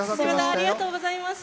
ありがとうございます。